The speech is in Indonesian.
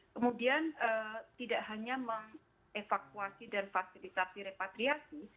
kemudian tidak hanya mengevakuasi dan fasilitasi repatriasi